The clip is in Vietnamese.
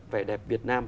vẻ đẹp việt nam